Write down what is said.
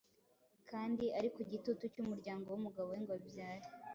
kandi ari ku gitutu cy'umuryango w'umugabo we ngo abyare